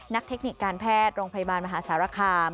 เทคนิคการแพทย์โรงพยาบาลมหาสารคาม